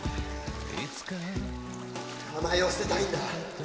甘えを捨てたいんだ。